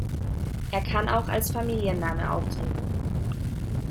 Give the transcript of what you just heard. Er kann auch als Familienname auftreten.